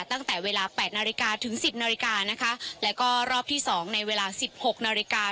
ตั้งแต่เวลาแปดนาฬิกาถึงสิบนาฬิกานะคะแล้วก็รอบที่สองในเวลาสิบหกนาฬิกา